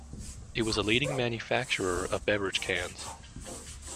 It was a leading manufacturer of beverage cans.